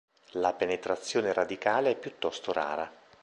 La penetrazione radicale è piuttosto rara.